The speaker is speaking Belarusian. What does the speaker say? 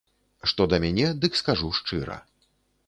Што да мяне, дык скажу шчыра.